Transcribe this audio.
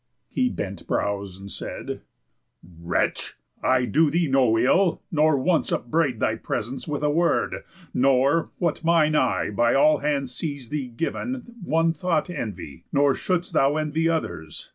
He bent brows, and said: "Wretch! I do thee no ill, nor once upbraid Thy presence with a word, nor, what mine eye By all hands sees thee giv'n, one thought envy. Nor shouldst thou envy others.